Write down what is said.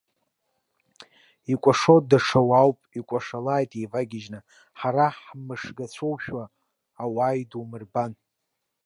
Икәашо даҽа уаауп, икәашалааит еивагьежьны, ҳара ҳмышгацәоушәа ауаа идумырбан.